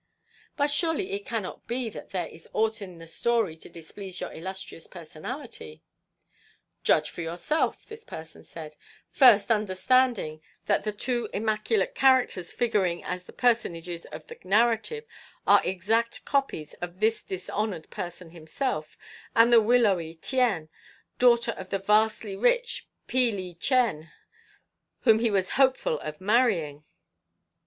But surely it cannot be that there is aught in the story to displease your illustrious personality?" "Judge for yourself," this person said, "first understanding that the two immaculate characters figuring as the personages of the narrative are exact copies of this dishonoured person himself and of the willowy Tien, daughter of the vastly rich Pe li Chen, whom he was hopeful of marrying."